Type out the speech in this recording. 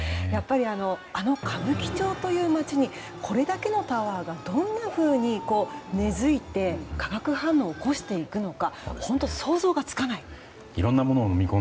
あの歌舞伎町という街にこれだけのタワーがどんなふうに根付いて化学反応を起こしていくのか。